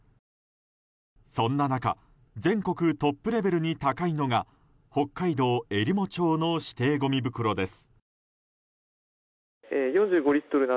そんな中全国トップレベルに高いのが北海道えりも町の指定ごみ袋です。